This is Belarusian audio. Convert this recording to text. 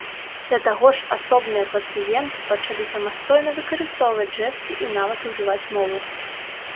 Да таго ж асобныя пацыенты пачалі самастойна выкарыстоўваць жэсты і нават ужываць мову.